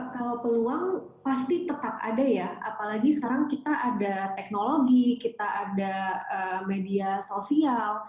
kalau peluang pasti tetap ada ya apalagi sekarang kita ada teknologi kita ada media sosial